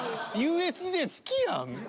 ＵＳＪ好きやん。